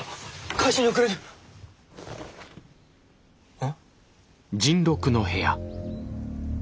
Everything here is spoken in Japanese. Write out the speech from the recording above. え？